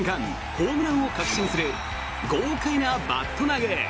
ホームランを確信する豪快なバット投げ。